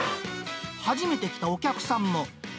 初めて来たお客さんも。